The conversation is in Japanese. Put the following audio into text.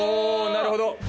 なるほど。